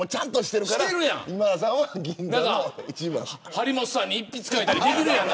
張本さんに一筆書いたりできるやん。